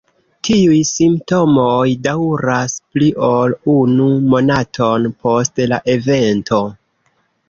Tiuj simptomoj daŭras pli ol unu monaton post la evento.